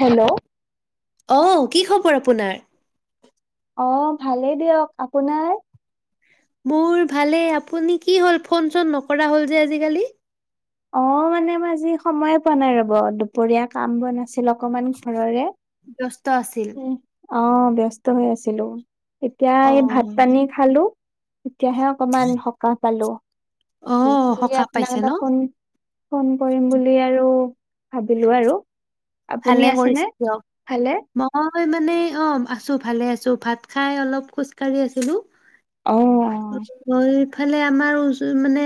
Hello অ কি খবৰ আপোনাৰ? অ ভালেই দিয়ক, আপোনাৰ? মোৰ ভালে, আপুনি কি হ'ল ফোন চোন নকৰা হ'ল যে আজিকালি? অ মানে মই আজি সময়ে পোৱা নাই ৰ'ব দুপৰীয়া কাম বন আছিল অকমান ঘৰৰে ব্যস্ত আছিল। উম, অ ব্যস্ত হৈ আছিলো। এতিয়া এই ভাত অ', পানী খালো, এতিয়াহে অকমান সকাহ পালো। বিহু অ', বুলি সকাহ আপোনাক পাইছে এটা ন? ফোন ফোন কৰিম বুলি আৰু ভাবিলো আৰু আপুনি ভালে আছেনে কৰিছে দিয়ক। ভালে মই মানে অ আছো ভালে আছো ভাত খাই অলপ খোজ কাঢ়ি আছিলো অ মই ইফালে আমাৰ উ মানে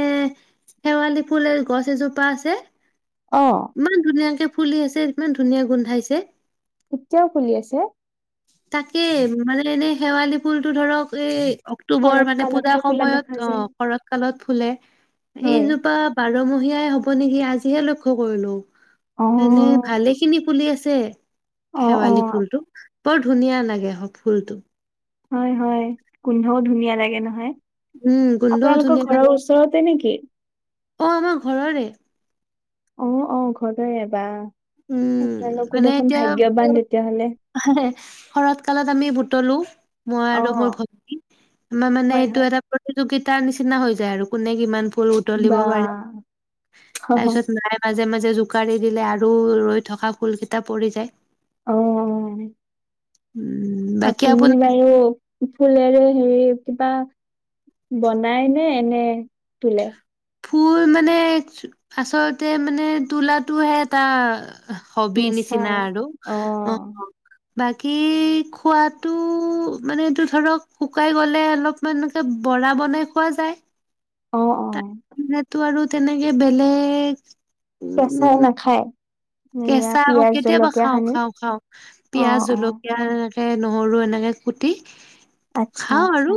শেৱালি ফুলৰ গছ এজোপা আছে অ' ইমান ধুনীয়াকে ফুলি আছে ইমান ধুনীয়া গোন্ধাইছে। এতিয়াও ফুলি আছে? তাকে মানে এনেই শেৱালি ফুলটো ধৰক এই অক্ট অক্টোবৰ শৰৎ মানে পূজাৰ কালতহে খোলা সময়ত দেখা অ যায় শৰত কালত ফুলে, হয় এইজোপা বাৰমহীয়াই হ'ব নেকি আজিহে লক্ষ্য কৰিলো। অ এনে ভালে খিনি ফুলি আছে অ শেৱালি অ ফুলটো। বৰ ধুনীয়া লাগে হ ফুলটো। হয় হয়, গোন্ধও ধুনীয়া লাগে নহয়। উম গোন্ধও আপোনালোকৰ ধুনীয়া লাগে ঘৰৰ ওচৰতে নেকি? অ আমাৰ ঘৰৰে। অ অ ঘৰৰে বা উম আপোনালোকো দেখোন ভাগ্যৱান তেতিয়াহ'লে। আ হে হে শৰৎ কালত আমি বুটলো। মই অ আৰু মোৰ ভন্টি আমাৰ মানে হয় এইটো হয়। এটা প্ৰতি প্ৰতিযোগিতাৰ নিচিনা হৈ যায় আৰু কোনে কিমান ফুল বুটলিব বা পাৰে, হ হ তাৰপিছত নাই মাজে-মাজে জোকাৰি দিলে আৰু ৰৈ থকা ফুলকেইটা পৰি যায়। অ' অ'। উম'। বাকী আপুনি আপোনাৰ বাৰু ফুলেৰে হেৰি কিবা বনাই নে এনে তুলে? ফুল মানে আচলতে মানে তোলাটোহে এটা হবি নিচা নিচিনা আৰু অ' বাকী খোৱাটো মানে এইটো ধৰক শুকাই গ'লে অলপ মানে এনেকে বৰা বনাই খোৱা যায়। অ' অ'। তা সেইটো আৰু তেনেকে বেলেগ কেঁচাই উম নাখায়? এয়া কেঁচা আকৌ পিয়াজ কেতিয়াবা জলকীয়া খাওঁ সানি খাওঁ খাওঁ। অ পিয়াজ, অ জলকীয়া এনেকে নহৰু এনেকে কুটি। আচ্ছা খাও আচ্ছা আৰু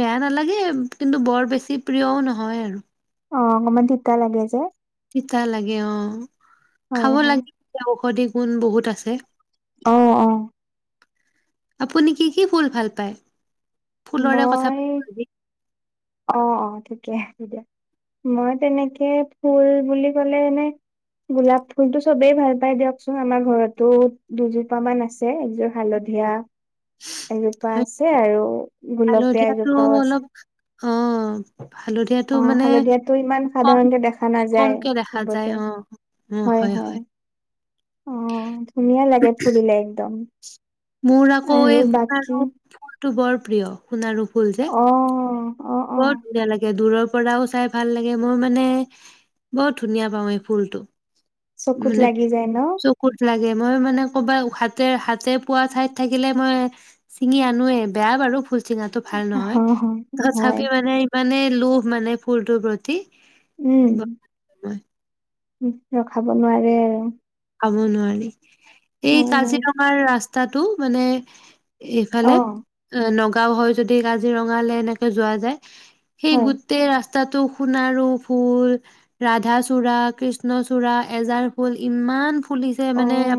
বেয়া নালাগে, কিন্তু বৰ বেছি প্ৰিয়ও নহয় আৰু। অ অকনমান তিতা লাগে যে। তিতা লাগে অ হয় খাব হয় লাগে, ইয়াৰ ঔষধি গুণ বহুত আছে। অ' অ'। আপুনি কি কি ফুল ভাল পায়? ফুলৰে কথা মই, পাতো আজি অ অ থিকে আছে দিয়া। মই তেনেকে ফুল বুলি ক'লে এনেই গোলাপ ফুল টো চবেই ভাল পাই দিয়কচোন, আমাৰ ঘৰতো দুজোপা মান আছে। ছে এযোৰ হালধীয়া এজোপা হয় আছে আৰু গোলপীয়া হালধীয়াটো এজোপাও অলপ আছে। অ'। হালধীয়াটো অ মানে হালধীয়াটো ইমান কম সাধাৰণতে দেখা নাযায় কমকে দেখা যায় চবতে অ। উম হয় হয়। অ ধুনীয়া লাগে ফুলিলে একদম। মোৰ আকৌ আৰু এই বাকী সোণাৰু ফুলটো বৰ প্ৰিয় সোণাৰু ফুল যে। অ' অ'- অ বৰ ধুনীয়া লাগে, দূৰৰ পৰাও চাই ভাল লাগে, মোৰ মানে বৰ ধুনীয়া পাওঁ এই ফুলটো, চকুত মানে লাগি যায় ন চ কুত লাগে, মই মানে ক'বাত হাতে হাতে পোৱা ঠাইত থাকিলে মই চিঙি আনোয়ে, বেয়া বাৰু ফুল চিঙাটো ভাল অ নহয়। হয় তথাপি মানে ইমানে লোভ মানে ফুলটোৰ প্ৰতি। উম। ৰখাব নোৱাৰে আৰু। ৰখাব নোৱাৰি। হয় এই কাজিৰঙাৰ ৰাস্তাটো মানে হয় অ এইফালে নগাওঁ হয় যদি কাজিৰঙালৈ এনেকে যোৱা যায় সেই হয় গোট গোটেই ৰাস্তাটো সোণাৰো ফুল ৰাধাচূড়া, কৃষ্ণচূড়া এজাৰ ফুল ইমা ইমান ফুলিছে অ মানে আ,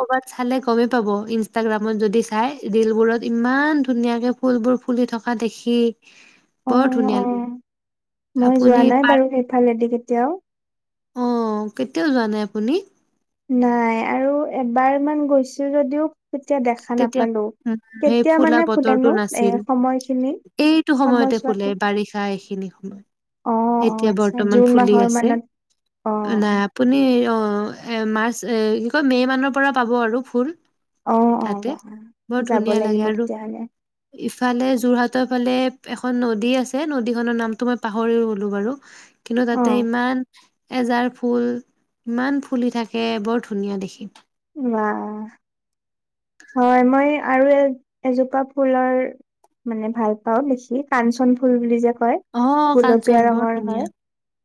ক'ৰবাত চালে গমেই পাব, ইনষ্টাগ্ৰামত যদি চাই ৰিলবোৰত ইমান ধুনীয়াকে ফুলবোৰ ফুলি থকা দেখি। বৰ অ', ধুনীয়া লাগে অ', মই আপুনি যোৱা নাই পাৰ বাৰু সেইফালেদি কেতিয়াও। অ', কেতিয়াও যোৱা নাই আপুনি? নাই আৰু এবাৰমান গৈছোঁ যদিও তেতিয়া দেখা তেতিয়া নাপালো উম, সেই কেতিয়া ফুলা মানে বতৰটো ফুলেনো এ নাছিল। সময়খিনি এইটো সময়তে ফুলে সময়ছোৱাটো বাৰি এইখিনি সময়, অ অ এতিয়া আচ্ছা বৰ্তমান জুন ফুলি মাহৰ আছে। মানত অ নাই আপুনি মাৰ্চ কি কয় মে' মানৰ পৰা পাব আৰু ফুল। অ অ তাতে, বাহ বৰ যাব ধুনীয়া লাগে লাগিব আৰু। তেতিয়াহলে ইফালে যোৰহাটৰ ফালে এখন নদী আছে নদীখনৰ নামটো মই পাহৰি গ'লোঁ বাৰু কিন্তু অ তাতে ইমান এজাৰ ফুল ইমান ফুলি থাকে, বৰ ধুনীয়া দেখি। বাহ। হয় মই আৰু এ-এজোপা ফুলৰ মানে ভাল পাওঁ লিখি, কাঞ্চন ফুল বুলি যে কয় অ' কাঞ্চন গোলপীয়া বৰ ৰঙৰ হয়। ধুনীয়া।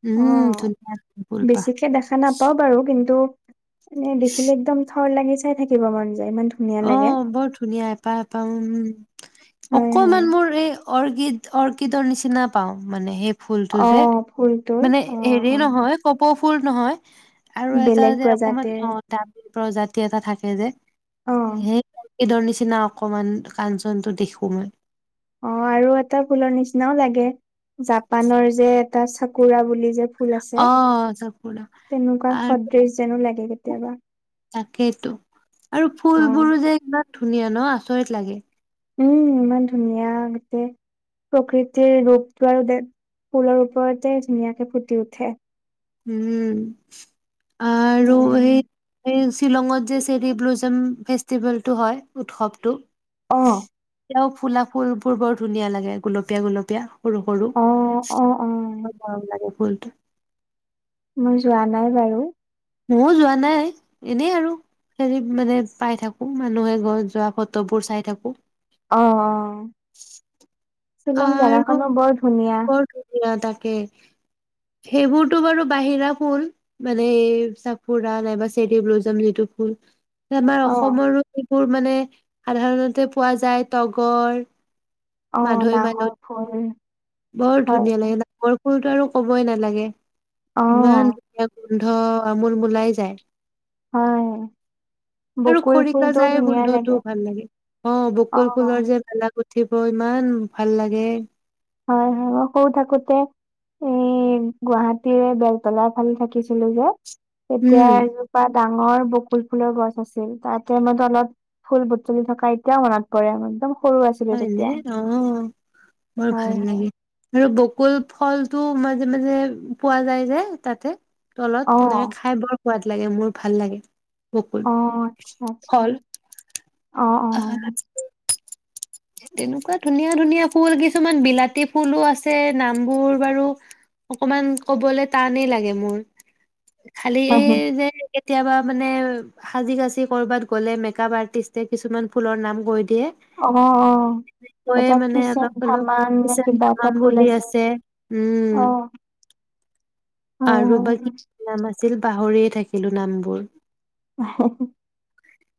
উম, অ', ধুনীয়া ফুলপাহ। বেছিকে দেখা নাপাওঁ বাৰু কিন্তু মানে দেখিলে একদম থৰ লাগি চাই থাকিব মন যায় মান অ', বৰ ধুনীয়া এপাহ এপাহ উম। হয় হয় অকমান মোৰ এই অৰ্কিড অৰ্কিডৰ নিচিনা পাওঁ মানে সেই ফুলটো অ যে ফুলটোৰ মানে অ হেৰী হেৰী অ নহয় কপৌ ফুল নহয় আৰু এটা বেলেগ যে অকমান প্ৰজাতিৰ অ' [unintelligible] প্ৰজাতি এটা থাকে যে। অ সেই অৰ্কিডৰ নিচিনা অকমান কাঞ্চনটো দেখোঁ মই। অ', আৰু এটা ফুলৰ নিচিনাও লাগে, জাপানৰ যে এটা চাকোৰা বুলি যে ফুল আছে, অ', চাকুৰা তেনেকুৱা সদৃশ যেনো লাগে কেতিয়াবা। তাকেতো, আৰু অ ফুলবোৰো যে ইমান ধুনীয়া ন' আচৰিত লাগে। উম, ইমান ধুনীয়া, গোটেই প্ৰকৃতিৰ ৰূপটো আৰু ফুলৰ ওপৰতে ধুনীয়াকে ফুটি উঠে। উম, আৰু হয় সেই এই শ্বিলঙত যে চেৰি ব্লুজম ফেষ্টিভেলটো হয় উৎসৱটো অ তিয়াও ফুলা ফুলবোৰ বৰ ধুনীয়া লাগে, গুলপীয়া গুলপীয়া। সৰু সৰু, অ অ অ ইমান মৰম লাগে ফুলটো। মই যোৱা নাই বাৰু। মইও যোৱা নাই, এনেই আৰু। হেৰিত মানে পাই থাকো মানুহে ঘৰত যোৱা ফটোবোৰ চাই থাকো। অ অ শিলং আৰু জোগাখনো বৰ ধুনীয়া। বৰ তাকে সেইবোৰতো বাৰু বাহিৰা ফুল। মানে এই চাফুৰা নাইবা চেৰি ব্লুজাম যিটো ফুল। আমাৰ অ অসমৰো এইবোৰ মানে সাধাৰণতে পোৱা যায় তগৰ অ মাধৈ নাহৰ মালতী ফুল বৰ হয় ধুনীয়া লাগে নামৰ, ফুলতো আৰু কবই নালাগে অ ইমান ধুনীয়া গোন্ধ আমোল মোলাই যায়। হয়। আৰু বকুল খৰিকা ফুলটোও যাই ধুনীয়া গোন্ধটো লাগে ভাল লাগে অ বকুল ফুলৰ যে মেলা উঠিব ইমান ভাল লাগে। হয় হয় সৰু থাকোতে এই গুৱাহাটীৰ বেলতলাৰ ফালে থাকিছিলো যে উম, তেতিয়া ডাঙৰ বকুল ফুলৰ গছ আছিল তাতে মই তলত। ফুল বুটলি থকা এতিয়াও মনত পৰে আৰু একদম সৰু আছিলো হয়নে? তেতিয়া। অ', বৰ হয় ভাল হয় লাগে। আৰু বকুল ফলটো মাজে মাজে পোৱা যায় যে তাতে। তলত অ তেনেকে খাই বৰ সোৱাদ লাগে মোৰ ভাল লাগে। বকুল অ আচ্ছা আচ্ছা ফল, অ অ তেনেকুৱা ধুনীয়া ধুনীয়া ফুল কিছুমান বিলাতী ফুলো আছে নামবোৰ বাৰু অকমান ক'বলৈ টানেই লাগে মোৰ খালি এই হয় যে কেতিয়াবা মানে সাজি কাচি কৰবাত গ'লে মেকআপ আৰ্টিষ্টে কিছুমান ফুলৰ নাম কৈ দিয়ে। অ অ, তয়ে এটা মানে কিচন অলপ অলপ ধামান নে কিষান কিবা এটা ধামাম ফুল বুলি আছে উম অ, হয় আৰু বা হয় কি কি নাম আছিল পাহৰিয়ে থাকিলো নামবোৰ।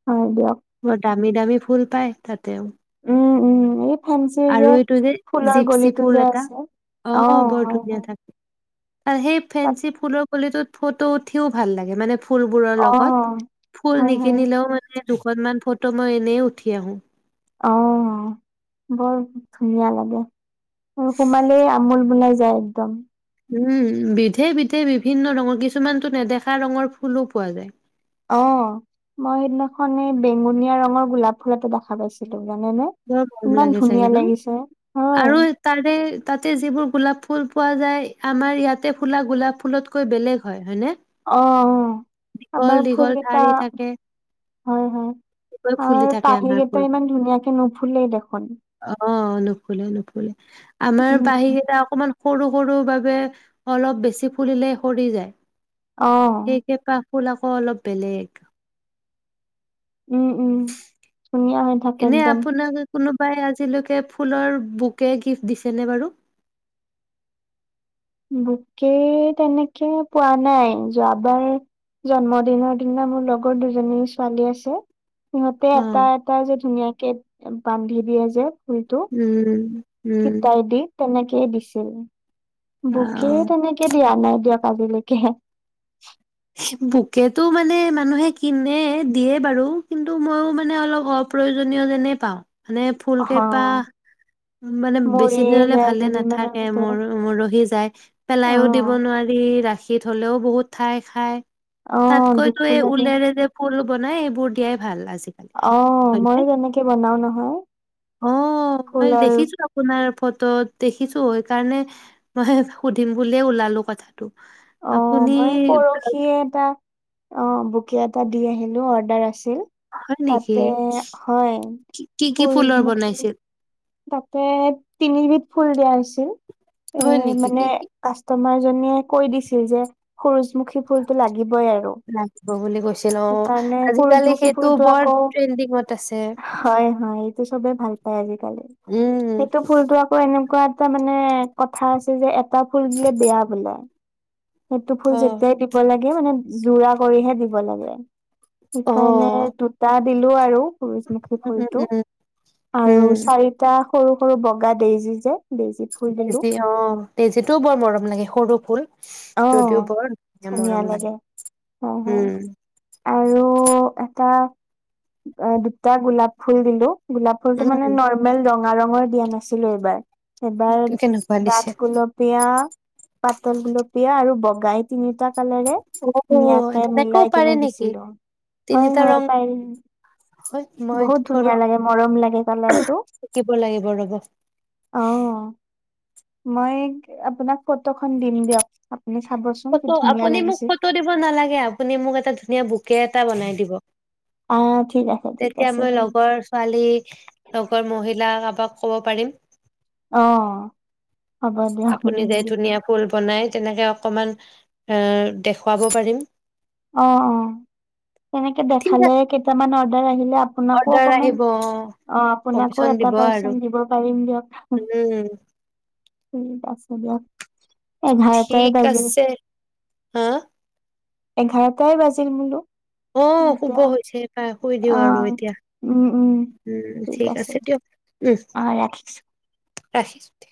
হয় দিয়ক। বৰ দামী দামী ফুল পায় তাতেও, উম উম এ, ফেঞ্চিৰ আৰু যে এইটো ফুলৰ জিপচি গলিটো ফুল যে এটা আছে অ হয় বৰ ধুনীয়া হয়। থাকে আৰু সেই তাত ফেঞ্চি ফুলৰ কলিটোত ফটো উঠিও ভাল লাগে মানে ফুলবোৰৰ অ লগত ফুল হয় হয় নিকিনিলেও মানে দুখনমান ফটো মই এনেই উঠি আহো। অ বৰ ধুনীয়া লাগে। আৰু সোমালেই আমোল বলাই যায় একদম। উম বিধে বিধে বিভিন্ন ৰঙৰ কিছুমানতো নেদেখা ৰঙৰ ফুলো পোৱা যায়। অ মই সেইদিনাখন এই বেঙুনীয়া ৰঙৰ গোলাপ ফুল এটা দেখা পাইছিলো জানেনে। বৰ মৰম ইমান লাগে চাগে ধুনীয়া ন? লাগিছে আৰু হয়। তাৰে তাতে যিবোৰ গোলাপ ফুল পোৱা যায় আমাৰ ইয়াতে ফুলা গোলাপ ফুলত কৈ বেলেগ হয় হয়নে। অ অ দীঘল আমাৰ দীঘল ফুলকেইটা, ঠাৰি থাকে, হয় গৈ হয় ফুলি আৰু থাকে আমাৰ পাহি কেইটা ফুলবোৰ। ইমান ধুনীয়াকে নুফুলেই দেখোন। অ নুফুলে নুফুলে আমাৰ উম। পাহিকেইটা অকমান সৰু সৰু বাবে অলপ বেছি ফুলিলে সৰি যায় অ', সেইকেইটা, ফুল আকৌ অলপ বেলেগ। উম উম ধুনীয়া হয়, এনে আপোনাক কোনোবাই আজিলৈকে ফুলৰ বুকে গিফ্ট দিছে নে বাৰু বকে তেনেকে পোৱা নাই যোৱাবাৰ, জন্মদিনৰ দিনা মোৰ লগৰ দুজনী ছোৱালী আছে সিহঁতে অ'। এটা এটা যে ধুনীয়াকে বান্ধি দিয়ে যে ফুলটো উম উম, ফিতাই দি তেনেকেই দিছিল বকে অ', তেনেকে দিয়া নাই দিয়ক আজিলৈকে বকেতটো মানে মানুহে কিনে দিয়ে বাৰু কিন্তু মইও মানে অলপ অ প্ৰয়োজনীয় যেনে পাওঁ মানে অ'। ফুল কেইপাহ উ মানে বেছি মৰিয়ে দিনলৈ যায় ভালে কেইদিনমানৰ নাথাকে মোৰ ভিতৰত মৰহি যায় পেলাইও দিব অ', নোৱাৰি ৰাখি হলেও বহুত ঠাই খাই অ', তাতকৈ তো দুখো এই লাগে। ঊলেৰে যে ফুল বনাই এইবোৰ দিয়াই ভাল আজি অ ময়ো তেনেকে বনাও নহয় অ', মই ফুলৰ দেখিছো আপোনাৰ ফটোত দেখিছো সেইকাৰণে মই সুধিম বুলিয়ে ওলালো কথাত আপুনি সেয়ে এটা অ বুকে এটা দি আহিলো অৰ্ডাৰ আছিল হয় তাতে নেকি? হয় কি কি কি ফুলৰ সূৰ্যমুখী বনাইছিল? তাতে তিনিবিধ ফুল দিয়া হৈছিল এ হয় নেকি মানে কি কি কাষ্টমাৰ জনে কৈ দিছিল যে সুৰুয লাগিব বুলি কৈছিল অ সেইকাৰণে আজিকালি সূৰুযমুখী সেইটো ফুলটো বৰ আকৌ ট্ৰেণ্ডিঙত আছে হয় হয় এইটো চবে ভাল পায় আজিকালি উম সেইটো ফুলটো আকৌ এনেকুৱা এটা মানে কথা আছে যে এটা ফুল দিলে বেয়া বোলে সেইটো ফুল অ যেতিয়াই দিব লাগে মানে জোৰা কৰিহে দিব লাগে উম সেইকাৰণে দুটা দিলো আৰু সূৰুজমুখী উম ভৰিটো উম আৰু উম চাৰি এটা সৰু সৰু বগা দেইজি যে দেইজি দেইজী অ দেইজীটোও বৰ মৰম লাগে সৰু ফুল অ যদিও বৰ ধুনীয়া মৰম লাগে হয় হয় উম আৰু এটা দুটা গোলাপ ফুল দিলো গোলাপ ফুলটো মানে উম নৰ্মেল ৰঙা ৰঙৰ দিয়া নাছিলো এইবাৰ এবাৰ কেনেকুৱা দিছে ডাঠ গুলপীয়া পাতল গুলপীয়া আৰু বগাই তিনিটা কালেৰে অ ধুনীয়াকে তেনেকৈও মিলাই পাৰে কিনে নেকি দিছিলো হয় তিনিটা হয় ৰং পাৰিম। হয় মই ব মৰম লাগে কালাৰটো শিকিব লাগিব ৰ'ব [inaudible] অ' মই আপোনাক ফটোখন দিম দিয়ক আপুনি চাবচোন কি ফতো ধুনীয়া আপুনি মোক লাগিছে ফটো দিব নালাগে আপুনি মোক এটা ধুনীয়া বুকে এটা বনাই দিব। আহ ঠিক আছে ঠিক তেতিয়া আছে মই লগৰ ছোৱালী লগৰ মহিলা কাৰোবাক ক'ব পাৰিম। অ হ'ব দিয়া আপুনি যে সুধিলে ধুনীয়া ফুল বনাই তেনেকে অকমান এ দেখুৱাব পাৰিম। অ অ তেনেকে ঠিক দেখালে আছে কেইটামান অৰ্ডাৰ আহিলে আপোনাকো অৰ্ডাৰ অকমান আহিব অ অ কমিচন আপোনাকো দিব এটা আৰু পাৰ্চেন্ট দিব পাৰিম দিয়ক। উম ঠিক আছে দিয়ক এঘাৰটায়ে ঠিক বাজিল আছে হা এঘাৰটাই বাজিল বোলো অ', শুভ এতিয়া হৈছে পাই শুই দিওঁ আৰু অ' এতিয়া। উম উম উম ঠিক আছে, দিয়ক উম অ' ৰাখিছো ৰাখিছোঁ তে।